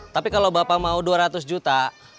tapi kalau bapak mau dua ratus juta